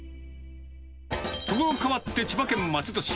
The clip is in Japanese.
所変わって千葉県松戸市。